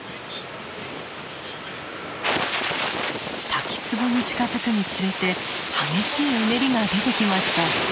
滝つぼに近づくにつれて激しいうねりが出てきました。